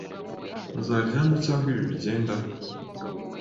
Uzarya hano cyangwa ibi bigenda?